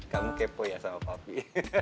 kamu kepo ya sama papi